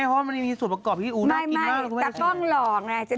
ไหนลองทำหน้าเด็กสมบูรณ์ให้ดูสิ